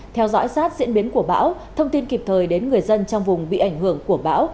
theo dõi sát diễn biến của bão thông tin kịp thời đến người dân trong vùng bị ảnh hưởng của bão